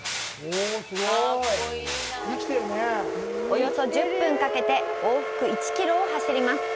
およそ１０分かけて往復１キロを走ります。